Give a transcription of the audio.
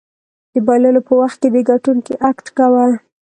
د بایللو په وخت کې د ګټونکي اکټ کوه.